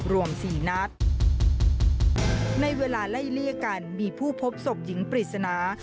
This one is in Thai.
รวมสี่นัดในเวลาไล่เลี่ยกันมีผู้พบศพหญิงปริศนา